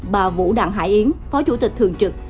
bà vũ đảng hải yến phó chủ tịch thường trực